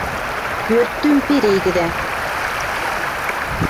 Пӧрттӱм перегӹдӓ